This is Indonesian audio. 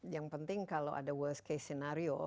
yang penting kalau ada worst case scenario